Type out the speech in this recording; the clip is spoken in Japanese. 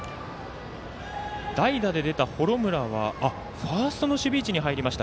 代打で出た幌村はファーストの守備位置に入りました。